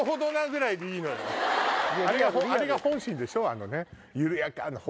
あれが本心でしょ。